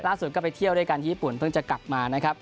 ก็ไปเที่ยวด้วยกันที่ญี่ปุ่นเพิ่งจะกลับมานะครับ